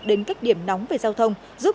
đến các điểm nóng về giao thông giúp